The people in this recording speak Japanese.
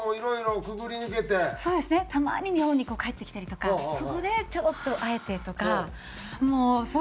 たまに日本に帰ってきたりとかそこでちょろっと会えてとかもうそうです。